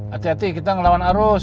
hati hati kita ngelawan arus